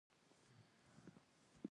ځغاسته د بدن ګرم ساتلو طریقه ده